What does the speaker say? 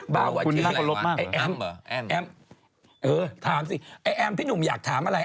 บ้าวว่าที่ไหนวะแอมแอมเออถามสิไอ้แอมพี่หนุ่มอยากถามอะไร